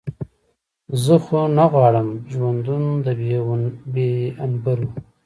زه خو نه غواړم ژوندون د بې هنبرو.